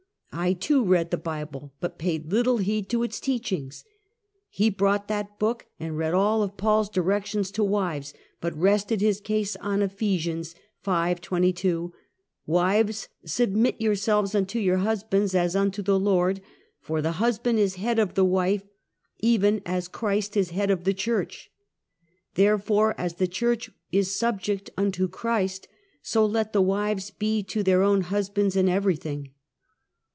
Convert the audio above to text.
I, too, read the Bible, but paid little heed to its teach ings. He brought that book and read all of Paul's directions to wives, but rested his case on Ephesians, V, 22: " Wives submit yourselves unto your own hus bands as unto the Lord. For the husband is head of the wife even as Christ is head of the church; therefore, as the church is subject unto Christ, so let the wives be to their own husbands in everything."